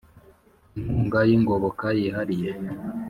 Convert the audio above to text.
inkunga yingoboka yihariye